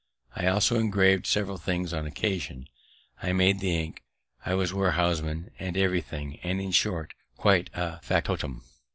I also engrav'd several things on occasion; I made the ink; I was warehouseman, and everything, and, in short, quite a fac totum.